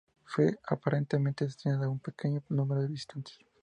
Fue aparentemente destinado a un pequeño número de visitantes.